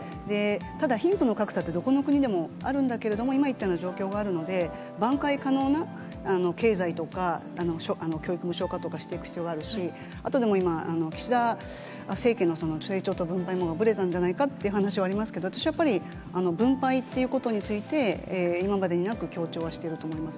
ただ、貧富の格差ってどこの国でもあるんだけれども、今言ったような状況があるので、挽回可能な経済とか、教育無償化とか、していく必要があるし、あと、今、岸田政権の成長と分配もぶれたんじゃないかという話はありますけど、私はやっぱり、分配っていうことについて、今までになく強調はしていると思います。